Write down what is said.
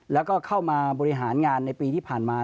แล้วก็เข้ามาบริหารงานในปีที่ผ่านมา